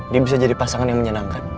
dia bisa jadi pasangan yang menyenangkan